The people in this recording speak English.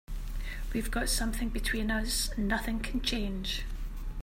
We've got something between us nothing can change.